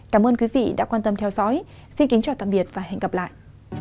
cảm ơn quý vị đã quan tâm theo dõi xin kính chào tạm biệt và hẹn gặp lại